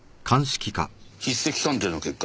筆跡鑑定の結果